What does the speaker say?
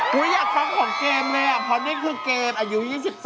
อยากฟังของเกมเลยอ่ะเพราะนี่คือเกมอายุ๒๒